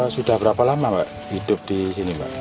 sudah berapa lama mbak hidup di sini mbak